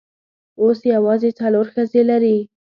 اوس یوازې څلور ښځې لري.